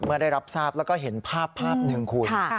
เมื่อได้รับทราบแล้วก็เห็นภาพภาพหนึ่งคุณ